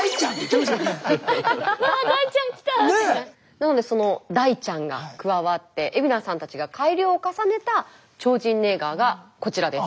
なのでその大ちゃんが加わって海老名さんたちが改良を重ねた超神ネイガーがこちらです。